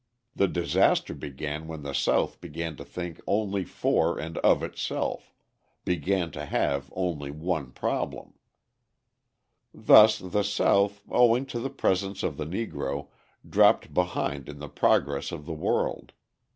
The disaster began when the South began to think only for and of itself began to have only one problem." Thus the South, owing to the presence of the Negro, dropped behind in the progress of the world.